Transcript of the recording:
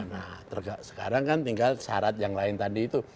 nah sekarang kan tinggal syarat yang lain tadi itu